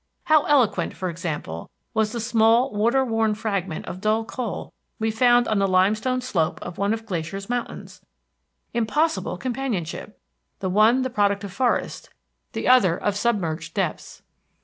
How eloquent, for example, was the small, water worn fragment of dull coal we found on the limestone slope of one of Glacier's mountains! Impossible companionship! The one the product of forest, the other of submerged depths.